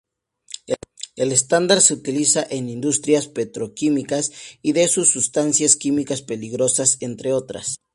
El estándar se utiliza en industrias petroquímicas y de sustancias químicas peligrosas, entre otras.